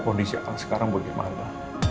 kondisi al sekarang bagaimana